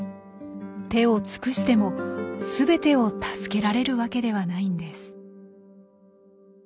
手を尽くしても全てを助けられるわけではないんです。